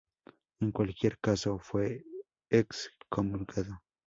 En cualquier caso, fue excomulgado.